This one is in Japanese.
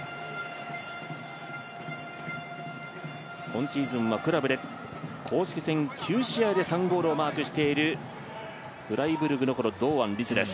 今シーズンはクラブで公式戦９試合で３ゴールをマークしているフライブルクの堂安律です。